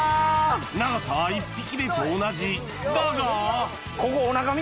長さは１匹目と同じだが！